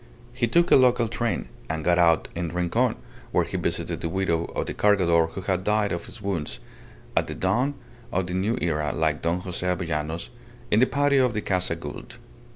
He took a local train, and got out in Rincon, where he visited the widow of the Cargador who had died of his wounds (at the dawn of the New Era, like Don Jose Avellanos) in the patio of the Casa Gould.